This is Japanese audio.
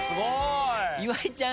岩井ちゃん